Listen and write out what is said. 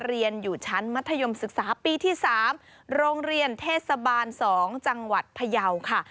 เรียนอยู่ชั้นมัธยมศึกษาปีที่๓โรงเรียนเทศบาล๒จังหวัดพยาวค่ะ